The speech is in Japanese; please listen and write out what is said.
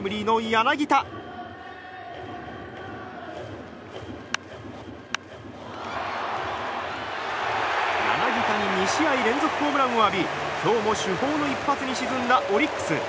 柳田に２試合連続ホームランを浴び今日も主砲の一発に沈んだオリックス。